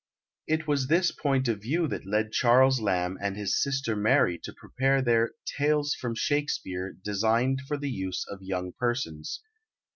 It was this point of view that led Charles Lamb and his sister Mary to prepare their "Tales from Shakespeare, designed for the use of young persons."